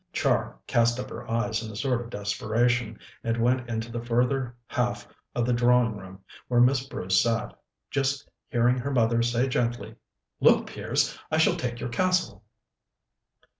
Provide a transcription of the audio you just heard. Char cast up her eyes in a sort of desperation, and went into the further half of the drawing room, where Miss Bruce sat, just hearing her mother say gently: "Look, Piers, I shall take your castle."